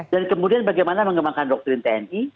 dan kemudian bagaimana mengembangkan doktrin tni